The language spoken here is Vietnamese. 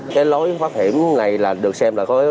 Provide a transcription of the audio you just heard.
cái lối thoát hiểm này được xem là